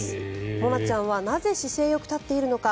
もなちゃんはなぜ姿勢よく立っているのか。